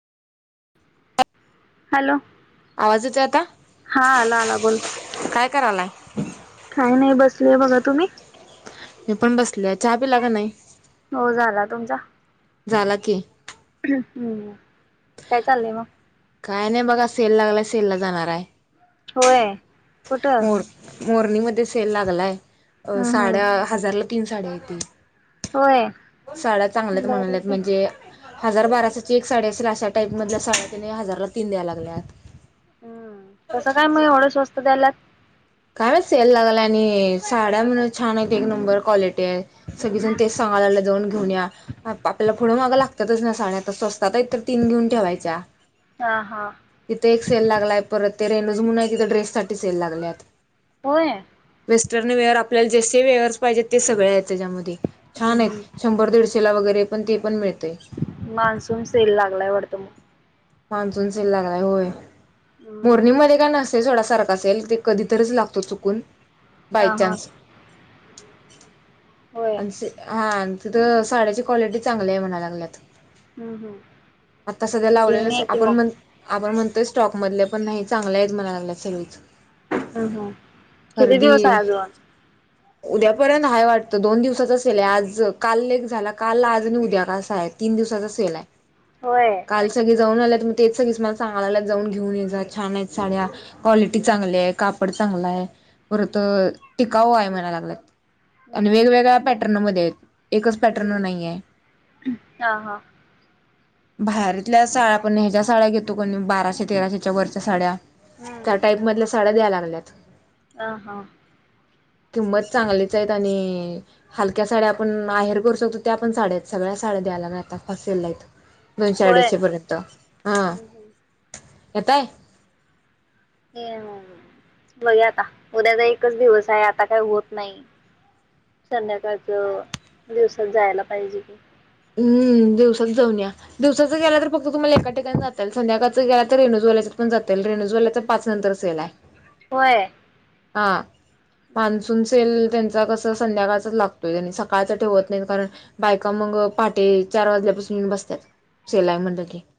Hello [unintelligible] आवाज येतोय आता, हा आला काय करालाय? काय नाही बसलीए बघा, तुम्ही? मी पण बसलीया, चहा पिला का नाही? हो झाला, तुमचा? झाला की हम्म काय चाललंय मग? काय नाही बघा? सेल लागलाय सेल ला जाणार हाय. होय, कुठं? मोरनी मध्ये सेल लागलाय, अ हम्म हम्म साड्या हजारला तीन साड्या हायेती. होय साड्या चांगल्या हायीत बर म्हणाल्यात आहे म्हणजे हजार बाराशेची एक साडी असेल, अशा टाईप मधल्या साड्या, त्यांनी हजारला तीन द्याय लागल्यात. हम्म कसं काय मग येवढ स्वस्त द्यायल्यात? काय माहित सेल लागलाय आणि साड्या म्हण छान आहेत, एक नंबर क्वाले टी हाय, सगळी जण तेच सांगायल्यात, जाऊन घेऊन या. आपल्याला पुढ माग लाग लागतातच ना साड्या जर स्वस्तात आहेत तर तीन घेऊन ठेवायच्या. हा हा तिथं एक सेल लागलाय. परत ते रेनज म्हणून आहे तिथं ड्रेस साठी सेल लागलेत. होय. वेस्टर्नवेयर आपल्या जसे वेहरच पाहिजेत ते सगळे आहेत. त्याच्यामध्ये छान हम्म आहेत. हम्म, शंभर दीडशे ला वगैरे पण ते पण मिळता मान्सून सेल लागलाय वाटतो मग. मान्सून सेल लागलाय होय. मोरनी हम्म, मध्ये का नसत य सोडा सारख सेल तो कधीतरीच लागतो चुकून हा हा बाय-चान्स. होय आणि हा तिथं साड्याची क्वालिटी चांगली आहे म्हणाय लागल्यात. हम् हम्. आता सध्या लावलेलंच यूनिक. आपण म्हण. आपण म्हणतोय स्टॉक मधले पण नाही चांगलं आहे म्हणाय लागलेत सगळी. अम् हम. किती दिवस आहे अजून. उद्यापर्यंत हाय वाटतं. दोन दिवसाचा सेल हाय आज काल ले एक झाला. काल आज आणि उद्यां आहे. तीन दिवसाचा सेल आहे. होय. काल सगळे जाऊन आल्यात तेच सगळे मला सांगायला लागल्यात जाऊन घेऊन ये. छान आहेत साड्या. क्वालिटी चांगल्या आहे कापड चांगला आहे. परत टिकाऊ आहे म्हणा लागल्यात. हम्म आणि हम्म, वेगवेगळ्या पॅटर्नमध्येध्ये. एकच हम्म, पॅटर्नवर नाही आहे. हा हा बाहरितल्याच. साड्या पण ह्याच्या साड्या घेतो कनी. बाराशे-तेराशेच्या वरच्या साड्या हम्म. त्या टाईप मधल्या साड्या. दयाय लागल्यात. अ हा. किंमत चांगलीच आहेत. आणि हलक्या साड्या आपण आहेर करू शकतो. त्या पण साड्या आहेत सगळ्या त्या साड्या द्यायला लागल्यात आता पाचशेला एक. होय दोनशे-अडीचशे पर्यंत हा हम्म हम्म. येताय. बघूया आता. उद्याचा एकच दिवस आहे आता काही होत नाही. संध्याकाळच दिवसात जायला पाहिजे की. हम्म. दिवसात जाऊन या. दिवसाचं गेला तर फक्त तुम्हाला एका ठिकाणी जाता येईल. संध्याकाळचं गेला तर रेणजवाल्याच्यात पण जाता येईल. पाच नंतर सेल हाय. होय. हा हम्म हम्म. मान्सून सेल त्यां कसं संध्याकाळचाच लागतोय. आणि सकाळचं ठेवत नाहीत कारण बायका मग पहाटे चार वाजल्यापासून ये बसतात. सेल हाय म्हणल की.